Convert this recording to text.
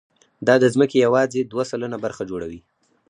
دا د ځمکې یواځې دوه سلنه برخه جوړوي.